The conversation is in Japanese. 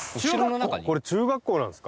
これ中学校なんですか？